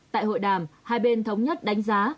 tại hội đàm hai bên thống nhất đánh giá